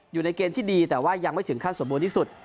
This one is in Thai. อยู่ในเกณฑ์ที่ดีแต่ว่ายังไม่ถึงขั้นสมบูรณ์ที่สุด